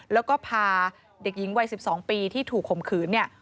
แล้วก็พาเด็กหญิงวัย๑๒ปีที่ถูกข่มขืนเนี่ย